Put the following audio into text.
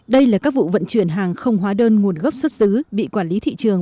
đây là các vụ vận chuyển hàng không hóa đơn nguồn gốc xuất xứ bị quản lý thị trường